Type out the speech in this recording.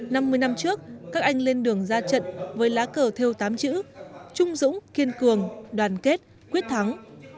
năm mươi năm trước các anh lên đường ra trận với lá cờ theo tám chữ trung dũng kiên cường đoàn kết quyết thắng